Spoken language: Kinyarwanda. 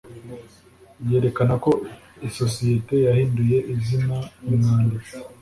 yerekana ko isosiyete yahinduye izina Umwanditsi